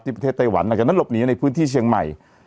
ที่ประเทศไตรวรรณ์อาจจะนั้นหลบหนีในพื้นที่เชียงใหม่